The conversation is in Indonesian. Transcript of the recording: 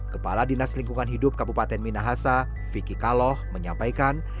kepala dinas lingkungan hidup kabupaten minahasa vicky kaloh menyampaikan